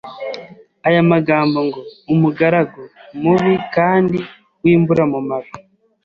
aya magambo ngo “umugaragu mubi kandi w’imburamumaro”